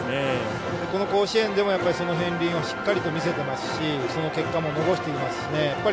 この甲子園でもその片りんをしっかり見せていますしその結果も残していますし。